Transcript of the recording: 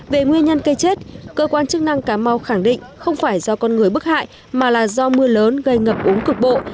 về nguyên nhân cây chết cơ quan chức năng cà mau khẳng định không phải do con người bức hại mà là do mưa lớn gây ngập úng cục bộ